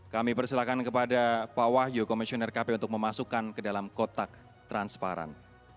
kami persilakan kepada pak wahyu komisioner kpu untuk memasukkan ke dalam kotak transparan